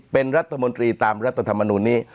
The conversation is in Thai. เป็นรัฐมนตรีตามรัฐธรรมนูลนี้